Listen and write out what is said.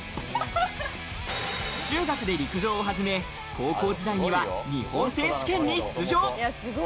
中学で陸上を始め、高校時代には日本選手権に出場。